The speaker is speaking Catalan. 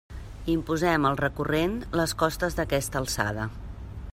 Imposem al recurrent les costes d'aquesta alçada.